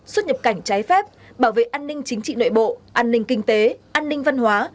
xuất nhập cảnh trái phép bảo vệ an ninh chính trị nội bộ an ninh kinh tế an ninh văn hóa